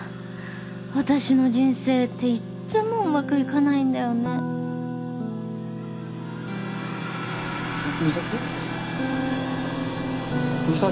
私の人生っていっつも上手くいかないんだよね美咲？